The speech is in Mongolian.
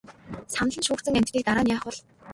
Санал нь шүүгдсэн амьтдыг дараа нь яах бол?